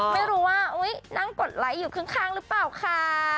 ไม่รู้ว่านั่งกดไลค์อยู่ข้างหรือเปล่าค่ะ